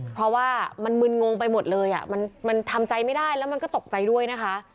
เพราะว่ามันมึนงงไปหมดเลยมันทำใจไม่ได้แล้วมันก็ตกใจด้วยนะคะ